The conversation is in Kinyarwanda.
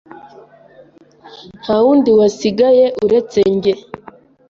Nta wundi wasigaye uretse njye.